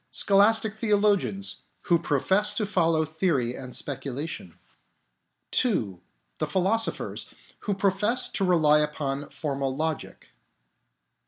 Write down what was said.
Scholastic theologians, who profess to follow theory and speculation. II. The Philosophers, who profess to rely upon formal logic.